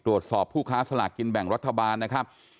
ผู้ค้าสลากกินแบ่งรัฐบาลนะครับ